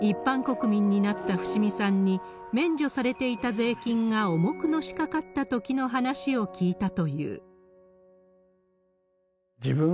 一般国民になった伏見さんに、免除されていた税金が重くのしかかったときの話を聞いたという。